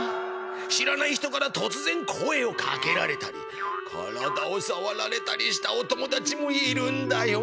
知らない人からとつぜん声をかけられたり体をさわられたりしたお友だちもいるんだよ。